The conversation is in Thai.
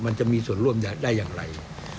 มันจะมีส่วนร่วมได้อย่างไร